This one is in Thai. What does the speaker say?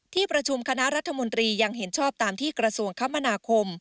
ที่ประชุมคณะรัฐมนตรียังเห็นชอบตามที่กระทรวงคมนาคม